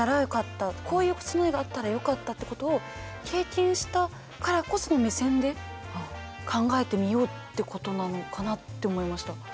こういう備えがあったらよかったってことを経験したからこその目線で考えてみようってことなのかなって思いました。